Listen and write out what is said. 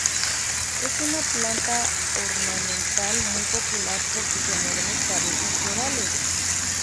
Es una planta ornamental muy popular por sus enormes cabezas florales.